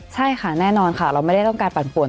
ใช่ค่ะแน่นอนค่ะเราไม่ได้ต้องการปั่นป่วน